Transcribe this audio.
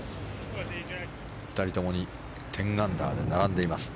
２人共に１０アンダーで並んでいます。